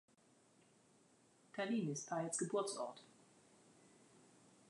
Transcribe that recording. Tallinn ist Paets Geburtsort.